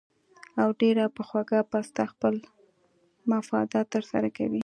او ډېره پۀ خوږه پسته خپل مفادات تر سره کوي